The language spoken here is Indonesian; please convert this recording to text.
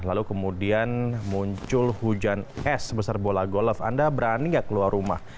lalu kemudian muncul hujan es sebesar bola golf anda berani nggak keluar rumah